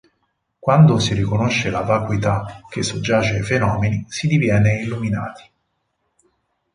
Quando si riconosce la vacuità che soggiace ai fenomeni si diviene illuminati.